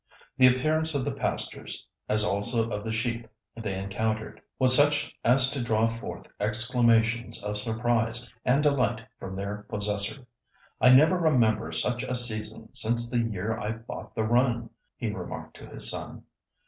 The appearance of the pastures, as also of the sheep they encountered, was such as to draw forth exclamations of surprise and delight from their possessor. "I never remember such a season since the year I bought the run," he remarked to his son.